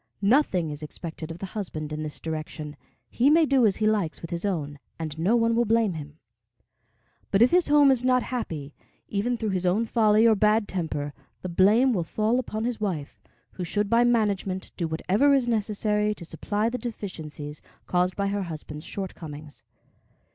Nothing is expected of the husband in this direction; he may do as he likes with his own, and no one will blame him; but if his home is not happy, even through his own folly or bad temper, the blame will fall upon his wife, who should by management do whatever is necessary to supply the deficiencies caused by her husband's shortcomings.